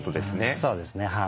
そうですねはい。